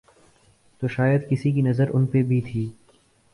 تو شاید کسی کی نظر ان پہ بھی تھی۔